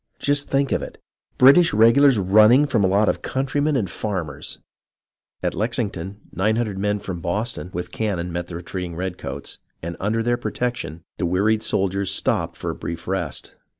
Just think of it, British regulars rmining from a lot of countrymen and farmers ! At Lexington, 900 men from Boston, with cannon, met the retreating redcoats, and under their protection, the wearied soldiers stopped for a brief rest.